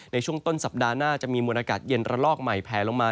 ในช่วงต้นสัปดาห์หน้าจะมีมวลอากาศเย็นระลอกใหม่แผลลงมา